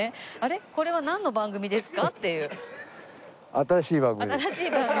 新しい番組。